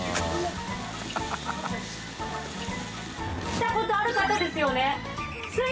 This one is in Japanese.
店主）来たことある方ですよね？